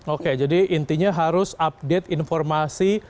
oke jadi intinya harus update informasi